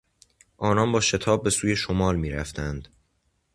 آنان با شتاب به سوی شمال میرفتند.